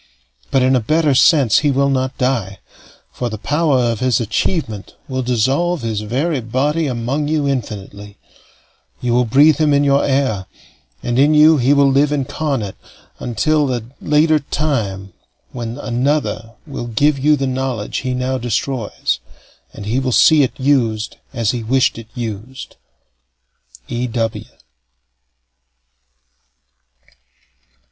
But, in a better sense, he will not die, for the power of his achievement will dissolve his very body among you infinitely; you will breathe him in your air; and in you he will live incarnate until that later time when another will give you the knowledge he now destroys, and he will see it used as he wished it used. E. W.